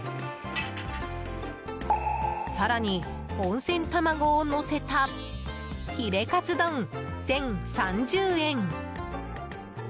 更に温泉卵をのせたヒレカツ丼、１０３０円。